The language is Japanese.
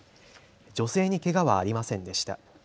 女性にけがはありませんでした。